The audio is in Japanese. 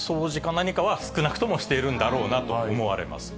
なにかは少なくともしているんだろうなと思われます。